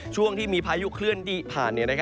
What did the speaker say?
ช่วงที่มีพายุเคลื่อนที่ผ่าน